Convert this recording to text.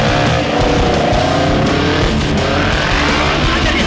anjay dia dia dia help